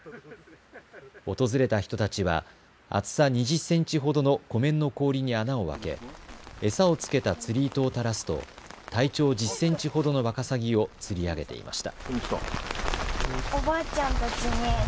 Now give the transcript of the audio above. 訪れた人たちは厚さ２０センチほどの湖面の氷に穴を開け、餌を付けた釣り糸を垂らすと体長１０センチほどのワカサギを釣り上げていました。